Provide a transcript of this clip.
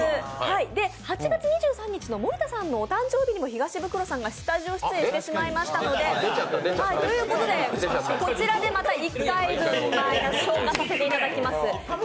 で、８月２３日の森田さんのお誕生日にも東ブクロさんがスタジオ出演してしまいましたのでこちらでまた１回分マイナス消化させていただきます。